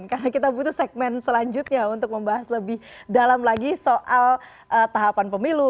karena kita butuh segmen selanjutnya untuk membahas lebih dalam lagi soal tahapan pemilu